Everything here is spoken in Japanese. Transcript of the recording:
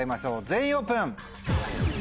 全員オープン！